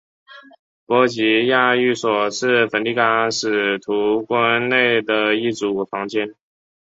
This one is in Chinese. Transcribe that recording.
波吉亚寓所是梵蒂冈使徒宫内的一组房间。